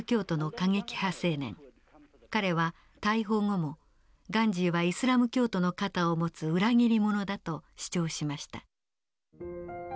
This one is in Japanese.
彼は逮捕後もガンジーはイスラム教徒の肩を持つ裏切り者だと主張しました。